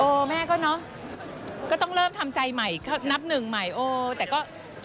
แม่ก็เนอะก็ต้องเริ่มทำใจใหม่นับหนึ่งใหม่โอ้แต่ก็